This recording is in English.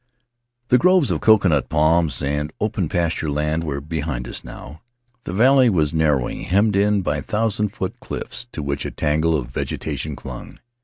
The groves of coconut palms and open pasture land were behind us now; the valley was narrowing, hemmed in by thousand foot cliffs to which a tangle of vegetation clung.